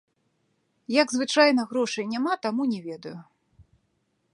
Як звычайна, грошай няма, таму не ведаю.